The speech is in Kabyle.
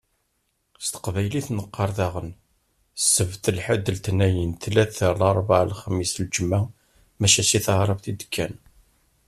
S teqbaylit neqqaṛ daɣen: Sebt, lḥed, letniyen, ttlata, larbɛa, lexmis, lǧemɛa. Maca si taɛrabt i d-kkan.